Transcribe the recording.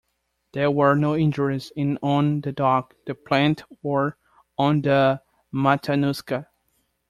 There were no injuries in on the dock, the plant, or on the Matanuska.